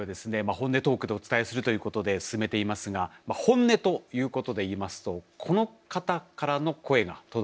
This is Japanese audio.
本音トークでお伝えするということで進めていますが本音ということでいいますとこの方からの声が届いているんです。